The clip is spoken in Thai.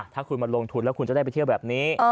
ถ้าคุณมาลงทุนแล้วคุณจะได้ไปเที่ยวแบบนี้